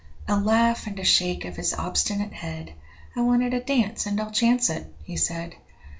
A laugh and a shake of his obstinate head 'I wanted a dance, and I'll chance it,' he said.